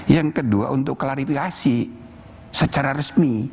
yang kedua untuk klarifikasi secara resmi